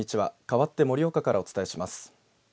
かわって盛岡からお伝えします。